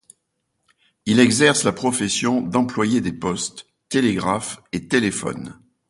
Il exerce la profession d'employer des Postes, télégraphes et téléphones.